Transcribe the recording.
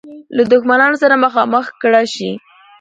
له دښمنانو سره مخامخ کړه شي.